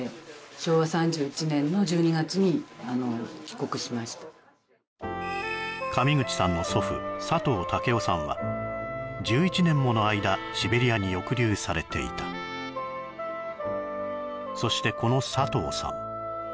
こちらが上口さんの祖父佐藤健雄さんは１１年もの間シベリアに抑留されていたそしてこの佐藤さん